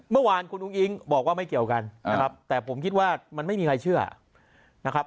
เมื่อวานคุณอุ้งอิ๊งบอกว่าไม่เกี่ยวกันนะครับแต่ผมคิดว่ามันไม่มีใครเชื่อนะครับ